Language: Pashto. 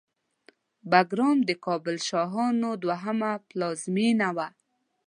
بګرام د کابل شاهانو دوهمه پلازمېنه وه